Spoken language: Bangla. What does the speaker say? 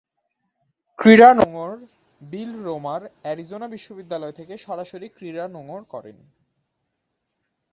ক্রীড়া নোঙ্গর বিল রোমার, অ্যারিজোনা বিশ্ববিদ্যালয় থেকে সরাসরি ক্রীড়া নোঙ্গর করেন।